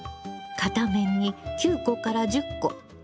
片面に９個から１０個。